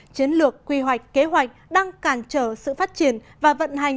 chiến lược quy hoạch kế hoạch đang cản trở sự phát triển và vận hành